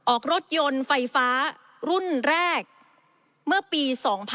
ออกรถยนต์ไฟฟ้ารุ่นแรกเมื่อปี๒๕๕๙